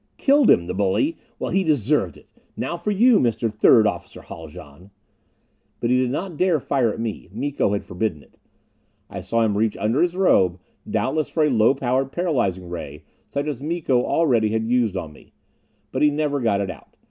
"Killed him, the bully! Well, he deserved it. Now for you, Mr. Third Officer Haljan!" But he did not dare fire at me Miko had forbidden it. I saw him reach under his robe, doubtless for a low powered paralyzing ray such as Miko already had used on me. But he never got it out.